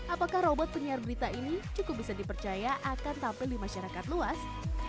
apakah robot penyiar berita ini cukup bisa dipercaya akan tampil di masyarakat luas